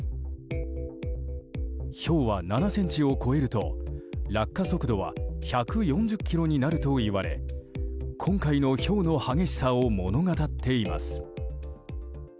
ひょうは７ｃｍを超えると落下速度は１４０キロになるといわれ今回のひょうの激しさを物語っています。